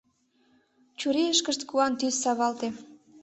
Чурийышкышт куан тӱс савалте.